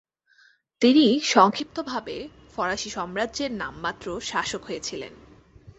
তিনি সংক্ষিপ্তভাবে ফরাসি সাম্রাজ্যের নামমাত্র শাসক হয়েছিলেন।